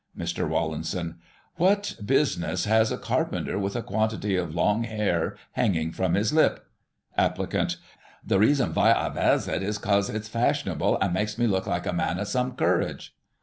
Mr. Rawlinson: What business has ay^carpenter with a quantity of long hair hanging from his lip ^ Applicant : The reason vy I vears it is 'cos it's fashionable, and makes me look like a man of some courage.